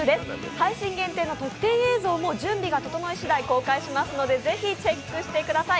配信限定の特典映像も準備が整いしだい公開しますので、ぜひチェックしてください。